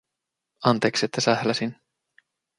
Anteeksi että sähläsin.